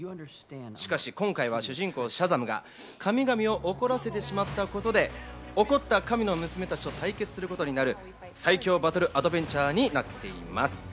しかし今回は主人公・シャザムが神々を怒らせてしまったことで怒った神の娘たちと対決することになる、最強バトルアドベンチャーになっています。